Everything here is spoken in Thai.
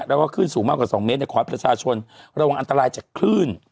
แล้วก็ขึ้นสูงมากกว่า๒เมตรขอให้ประชาชนระวังอันตรายจากคลื่น